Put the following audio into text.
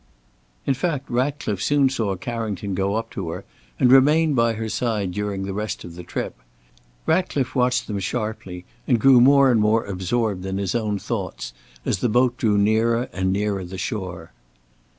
In fact Ratcliffe soon saw Carrington go up to her and remain by her side during the rest of the trip. Ratcliffe watched them sharply and grew more and more absorbed in his own thoughts as the boat drew nearer and nearer the shore.